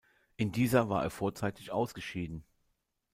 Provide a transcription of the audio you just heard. In dieser war er vorzeitig ausgeschieden.